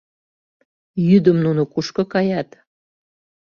Йӱдым нуно кушко каят?